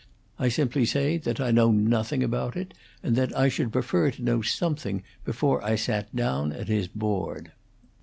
I simply say that I know nothing about it, and that I should prefer to know something before I sat down at his board."